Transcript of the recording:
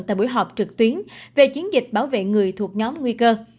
tại buổi họp trực tuyến về chiến dịch bảo vệ người thuộc nhóm nguy cơ